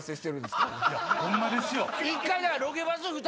ホンマですよ！